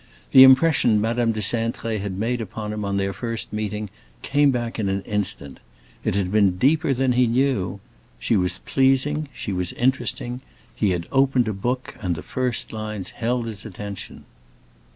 The impression Madame de Cintré had made upon him on their first meeting came back in an instant; it had been deeper than he knew. She was pleasing, she was interesting; he had opened a book and the first lines held his attention.